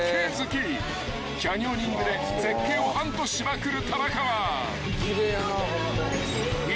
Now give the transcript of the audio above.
［キャニオニングで絶景をハントしまくる田中］